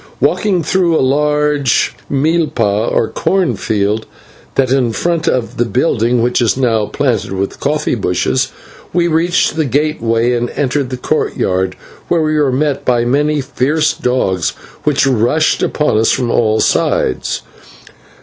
Walking through a large /milpa/, or corn field that in front of the building which is now planted with coffee bushes we reached the gateway and entered the courtyard, where we were met by many fierce dogs which rushed upon us from all sides.